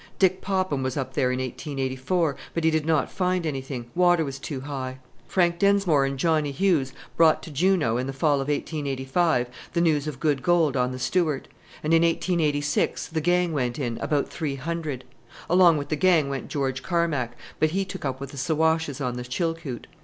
Dick Popham was up there in 1884, but he did not find anything water was too high. Frank Densmore and Johnnie Hughes brought to Juneau, in the fall of 1885, the news of good gold on the Stewart; and in 1886 the gang went in, about three hundred. Along with the gang went George Carmack, but he took up with the Siwashes on the Chilkoot.